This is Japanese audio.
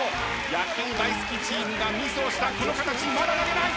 野球大好きチームがミスをしたこの形まだ投げない。